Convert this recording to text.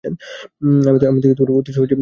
আমি তো তাঁতি খুঁজিতেই বাহির হইয়াছি।